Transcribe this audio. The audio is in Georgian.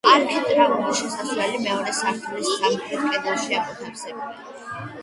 არქიტრავული შესასვლელი მეორე სართულის სამხრეთ კედელშია მოთავსებული.